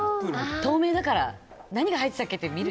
透明だから何が入ってたっけって。